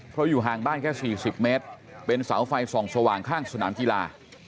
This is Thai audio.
เพราะอยู่ห่างบ้านแค่๔๐เมตรเป็นเสาไฟส่องสว่างข้างสนามกีฬา